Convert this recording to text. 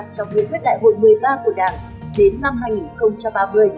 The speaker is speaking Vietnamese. trong nghị quyết đại hội một mươi ba của đảng đến năm hai nghìn ba mươi